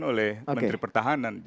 oleh menteri pertahanan